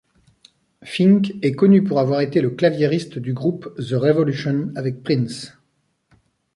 Fink est connu pour avoir été le claviériste du groupe The Revolution avec Prince.